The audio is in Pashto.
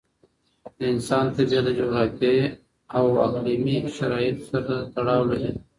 د انسان طبیعت د جغرافیایي او اقليمي شرایطو سره تړاو لري.